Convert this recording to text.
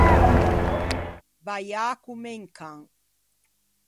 Baiâ comme un can.